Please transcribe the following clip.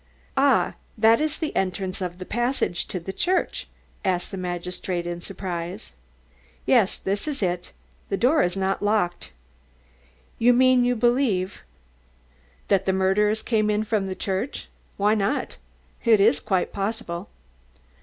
"Ah that is the entrance of the passage to the church?" asked the magistrate in surprise. "Yes, this is it. The door is not locked." "You mean you believe " "That the murderers came in from the church? Why not? It is quite possible."